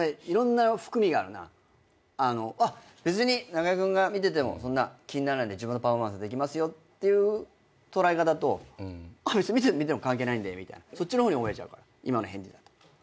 あっ別に中居君が見ててもそんな気にならないんで自分のパフォーマンスできますよっていう捉え方と別に見ても関係ないんでみたいなそっちの方に思えちゃうから今の返事だと。